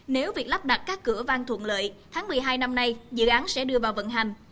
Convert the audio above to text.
nếu việc lắp đặt các cửa vang thuận lợi tháng một mươi hai năm nay dự án sẽ đưa vào vận hành